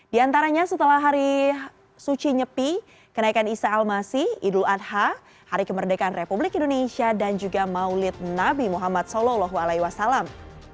di antaranya setelah hari suci nyepi kenaikan isa al masih idul adha hari kemerdekaan republik indonesia dan juga maulid nabi muhammad saw